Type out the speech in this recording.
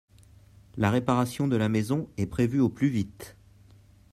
La réparation de la maison est prévu au plus vite.